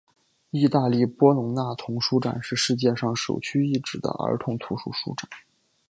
意大利波隆那童书展是世界上首屈一指的儿童图书书展。